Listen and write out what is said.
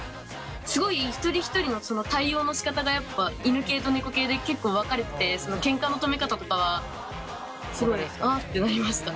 すごい一人一人の対応のしかたがやっぱ犬系と猫系で結構分かれててケンカの止め方とかはすごい「あっ」てなりました。